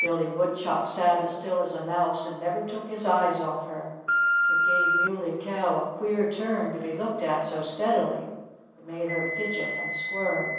Billy Woodchuck sat as still as a mouse and never took his eyes off her. It gave the Muley Cow a queer turn to be looked at so steadily. It made her fidget and squirm.